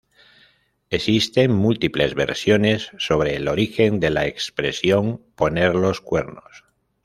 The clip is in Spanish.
Existen múltiples versiones sobre el origen de la expresión ""poner los cuernos"".